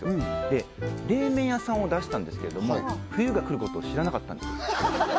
で冷麺屋さんを出したんですけども冬が来ることを知らなかったんです